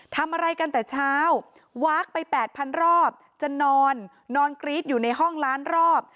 ทำอะไรกันแต่เช้าวาคไป๘๐๐รอบจะนอนนอนกรี๊ดอยู่ในห้องล้านรอบ